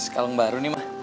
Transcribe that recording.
kalung baru nih ma